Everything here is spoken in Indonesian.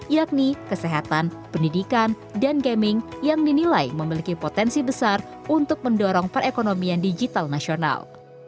yakni kesehatan pendidikan dan gaming yang dinilai memiliki potensi besar untuk mendorong perekonomian digital nasional